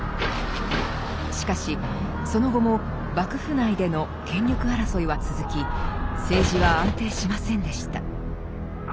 しかしその後も幕府内での権力争いは続き政治は安定しませんでした。